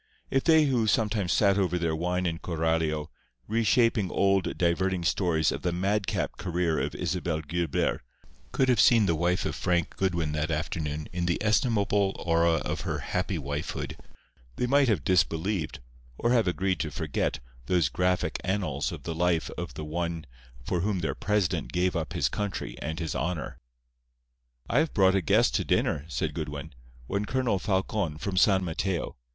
If they who sometimes sat over their wine in Coralio, reshaping old, diverting stories of the madcap career of Isabel Guilbert, could have seen the wife of Frank Goodwin that afternoon in the estimable aura of her happy wifehood, they might have disbelieved, or have agreed to forget, those graphic annals of the life of the one for whom their president gave up his country and his honour. "I have brought a guest to dinner," said Goodwin. "One Colonel Falcon, from San Mateo.